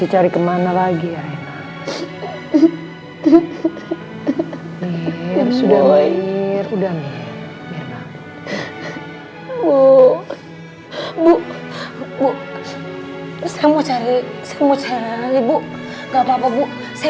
cari sendiri bu